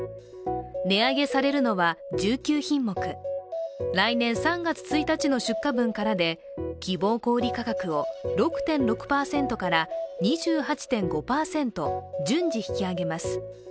値上げされるのは１９品目、来年３月１日の出荷分からで希望小売価格を６．６％から２８．５％、順次引き上げます。